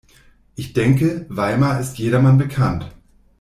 Ich denke, Weimar ist jedermann bekannt.